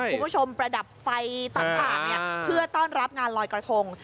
ประดับไฟต่างเพื่อต้อนรับงานลอยกระทง